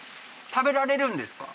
食べられるんですか？